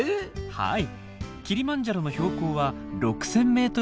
はい。